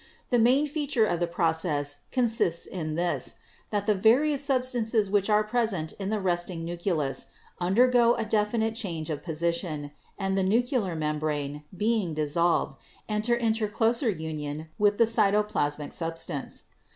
The main feature of the process consists in this, that the various substances which are present in the resting nucleus, undergo a definite change of position, and the nuclear membrane being dis solved, enter into closer union with the cytoplasmic sub stance.